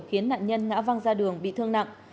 khiến nạn nhân ngã văng ra đường bị thương nặng